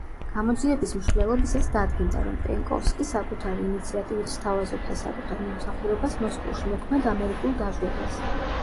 გამოძიების მსვლელობისას დადგინდა, რომ პენკოვსკი საკუთარი ინიციატივით სთავაზობდა საკუთარ მომსახურებას მოსკოვში მოქმედ ამერიკულ დაზვერვას.